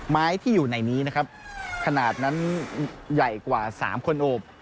ไม้ที่อยู่ในนี้นะครับขนาดนั้นใหญ่กว่า๓คนโอบ